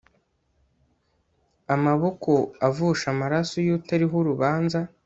Amaboko avusha amaraso yutariho urubanza